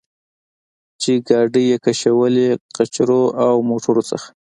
چې ګاډۍ یې کشولې، قچرو او موټرو څخه.